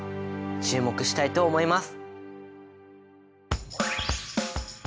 注目したいと思います。